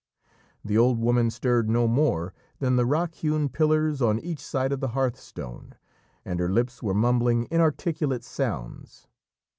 The old woman stirred no more than the rock hewn pillars on each side of the hearthstone, and her lips were mumbling inarticulate sounds.